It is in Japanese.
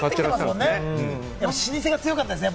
やっぱり老舗が強かったですね。